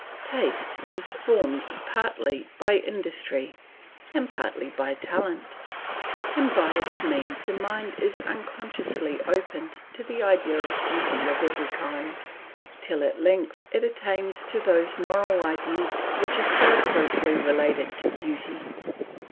Taste is formed partly by industry and partly by talent, and by its means the mind is unconsciously opened to the idea of beauty of every kind, till at length it attains to those moral ideas which are so closely related to beauty.